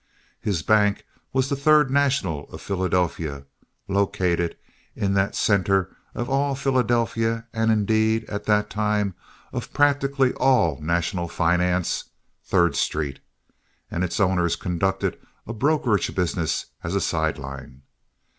His bank was the Third National of Philadelphia, located in that center of all Philadelphia and indeed, at that time, of practically all national finance—Third Street—and its owners conducted a brokerage business as a side line.